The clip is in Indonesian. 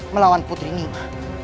melawan putri nima